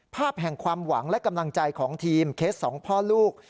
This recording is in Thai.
ภาพแห่งความหวังและกำลังใจของทีมเคสสองพ่อลูก